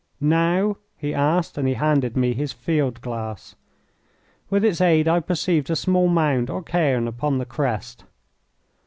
"Now?" he asked, and he handed me his field glass. With its aid I perceived a small mound or cairn upon the crest.